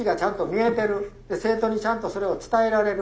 生徒にちゃんとそれを伝えられる。